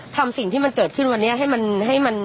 ทำสิ่งที่มันเกิดขึ้นวันนี้ให้มันให้มัน